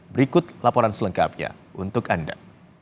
berikut laporan selengkapnya untuk anda